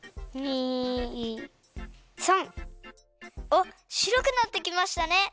あっしろくなってきましたね！